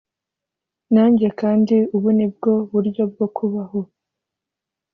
nanjye, kandi ubu ni bwo buryo bwo kubaho.